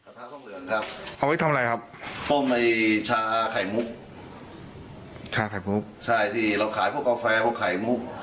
ทะส้มเหลืองครับเอาไว้ทำอะไรครับต้มในชาไข่มุกชาไข่มุกใช่ที่เราขายพวกกาแฟพวกไข่มุก